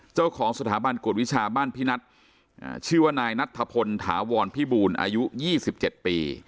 เจ้าของสถาบันกวดวิชาบ้านพินัทชื่อว่านายนัทธพลถาวรพิบูลอายุ๒๗ปี